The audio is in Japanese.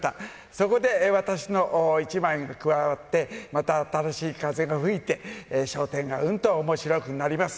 そこで私の一枚が加わって、また新しい風が吹いて、笑点がうんとおもしろくなります。